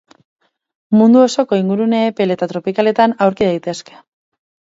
Mundu osoko ingurune epel eta tropikaletan aurki daitezke.